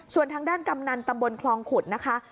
ส่วนทางด้านกำนันตำบลคลองขุดนะคะ